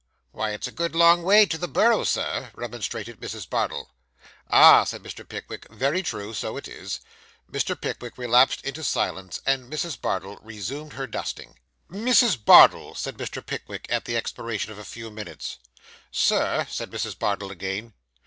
'Why it's a good long way to the Borough, sir,' remonstrated Mrs. Bardell. 'Ah,' said Mr. Pickwick, 'very true; so it is.' Mr. Pickwick relapsed into silence, and Mrs. Bardell resumed her dusting. 'Mrs. Bardell,' said Mr. Pickwick, at the expiration of a few minutes. 'Sir,' said Mrs. Bardell again.